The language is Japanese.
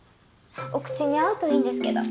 お口に合うといいんですけど。